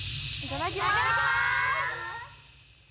いただきまーす！